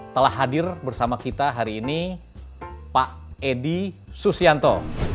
telah hadir bersama kita hari ini pak edi susianto